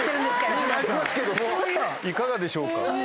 いかがでしょうか。